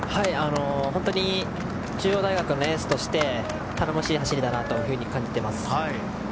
本当に中央大学のエースとして頼もしい走りだなと感じています。